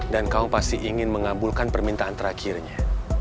dan kamu pasti ingin mengabulkan permintaan terakhirnya